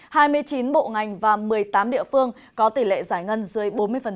các bộ ngành và một mươi tám địa phương có tỷ lệ giải ngân dưới bốn mươi